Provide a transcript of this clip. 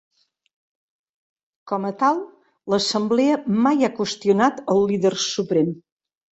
Com a tal, l'Assemblea mai ha qüestionat el Líder Suprem.